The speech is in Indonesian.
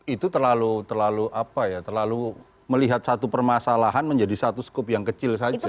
itu terlalu melihat satu permasalahan menjadi satu skup yang kecil saja